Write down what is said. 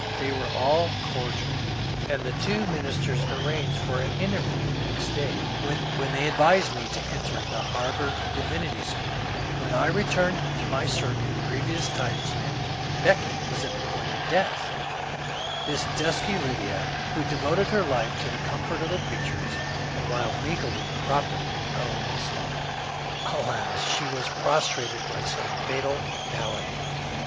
They were all cordial, and the two ministers arranged for an interview next day, when they advised me to enter the Harvard Divinity SchooL When I returned to my circuit grievous tidings met me. Becky was at the point of death I This dusky Lydia, who devoted her life to the comfort of the preachers, and while legally property owned us all — alas, she was prostrated by some fatal malady.